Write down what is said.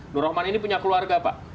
nur rahman ini punya keluarga pak